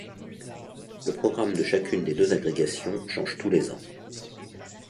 Le programme de chacune des deux agrégations change tous les ans.